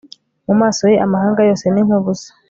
Mu maso ye amahanga yose ni nkubusa